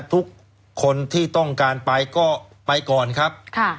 ทุกคนที่ต้องการไปก็ไปก่อนครับ